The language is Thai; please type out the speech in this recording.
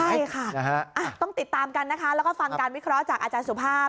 ใช่ค่ะต้องติดตามกันนะคะแล้วก็ฟังการวิเคราะห์จากอาจารย์สุภาพ